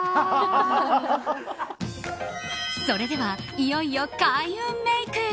それでは、いよいよ開運メイク。